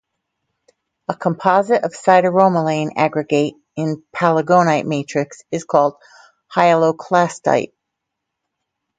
A composite of sideromelane aggregate in palagonite matrix is called hyaloclastite.